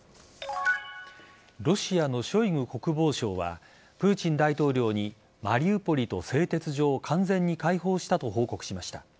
ロシアのショイグ国防相はプーチン大統領にマリウポリと製鉄所を完全に解放したと報告しました。